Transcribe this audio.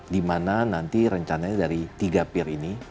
dimana nanti rencananya dari tiga pir ini